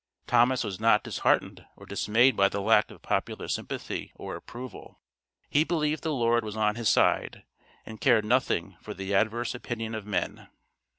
Thomas was not disheartened or dismayed by the lack of popular sympathy or approval. He believed the Lord was on his side, and cared nothing for the adverse opinion of men.